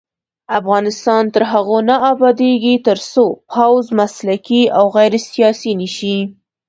افغانستان تر هغو نه ابادیږي، ترڅو پوځ مسلکي او غیر سیاسي نشي.